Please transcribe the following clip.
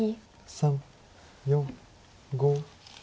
３４５。